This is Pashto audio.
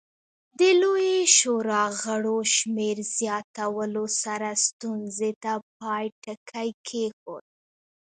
د لویې شورا غړو شمېر زیاتولو سره ستونزې ته پای ټکی کېښود.